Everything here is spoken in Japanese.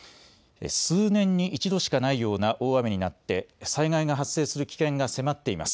数年に一度しかないような大雨になって災害が発生する危険が迫っています。